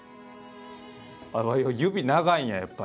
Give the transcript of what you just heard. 指長いんややっぱり。